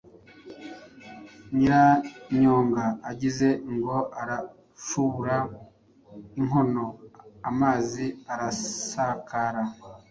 Nyirarunyonga agize ngo aracubura inkono amazi arasakara,